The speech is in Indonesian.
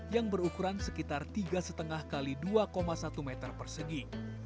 yang berukuran sekitar tiga lima x dua satu meter persegi